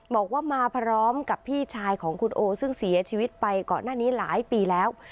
บอกว่ามาพร้อมกับพี่ชายของคุณโอซึ่งเสียชีวิตไปก่อนหน้านี้หลายปีแล้ว